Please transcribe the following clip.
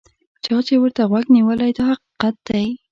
چا چې ورته غوږ نیولی دا حقیقت دی.